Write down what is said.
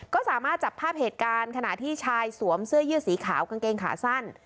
ก็สามารถจับภาพเหตุการณ์ขณะที่ชายสวมเสื้อยืดสีขาวกางเกงขาสั้น